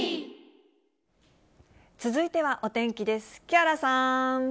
続いてはお天気です。